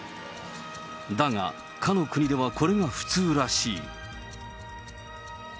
だが、かの国ではこれが普通らしい。